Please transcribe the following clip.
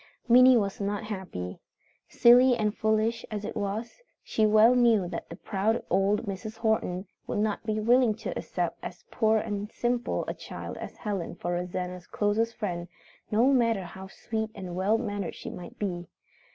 Minnie was not happy. Silly and foolish as it was, she well knew that the proud old Mrs. Horton would not be willing to accept as poor and simple a child as Helen for Rosanna's closest friend, no matter how sweet and well mannered she might be.